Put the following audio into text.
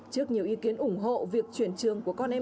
trước nhiều ý kiến ủng hộ việc chuyển trường tiểu học đoàn kết